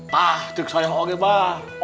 pak diksayah oke pak